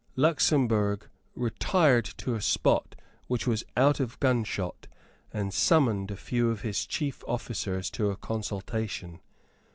Luxemburg retired to a spot which was out of gunshot, and summoned a few of his chief officers to a consultation.